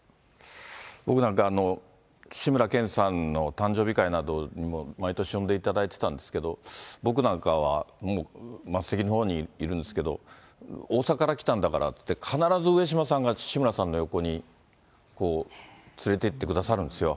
僕なんか、志村けんさんの誕生日会などに毎年呼んでいただいてたんですけど、僕なんかは、もう末席のほうにいるんですけど、大阪から来たんだからって、必ず上島さんが志村さんの横に連れていってくださるんですよ。